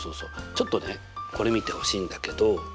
ちょっとねこれ見てほしいんだけど。